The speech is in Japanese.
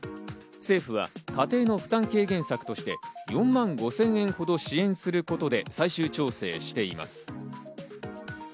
政府は家庭の負担軽減策として、４万５０００円ほど支援することで最終調整しています。